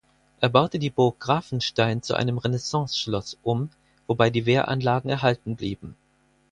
Er baute die Burg Grafenstein zu einem Renaissanceschloss um, wobei die Wehranlagen erhalten blieben.